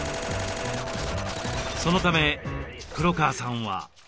そのため黒川さんは。